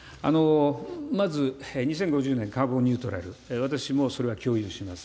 まず、２０５０年カーボンニュートラル、私もそれは共有します。